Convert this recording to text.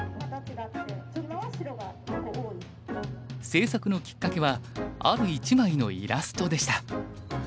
制作のきっかけはある一枚のイラストでした。